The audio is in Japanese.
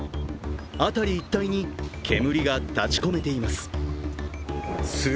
辺り一帯に煙が立ちこめています。